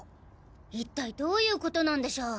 いったいどういうことなんでしょう？